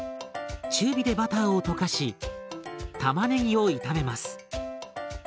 中火でバターを溶かしたまねぎを炒めます。